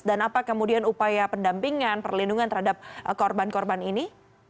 dan apa kemudian upaya pendampingan perlindungan terhadap korban korban ini